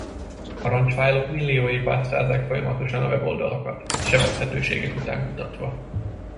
Parancsfájlok milliói pásztázzák folyamatosan a weboldalakat, sebezhetőségek után kutatva.